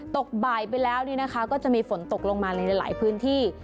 ตกบ่ายไปแล้วนี่นะคะก็จะมีฝนตกลงมาในหลายพื้นที่